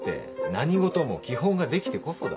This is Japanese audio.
何事も基本ができてこそだ。